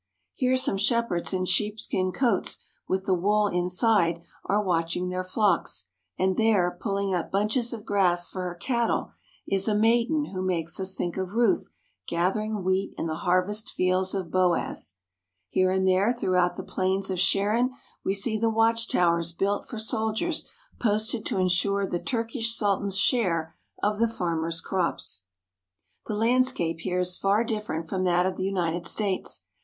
Here some shepherds in sheep skin coats, with the wool inside, are watching their flocks, and there, pulling up bunches of grass for her cattle, is a maiden who makes us think of Ruth gathering wheat in the harvest fields of Boaz. Here and there throughout the plains of Sharon we see the watch towers built for soldiers posted to en sure the Turkish Sultan's share of the farmers' crops. The landscape here is far different from that of the United States.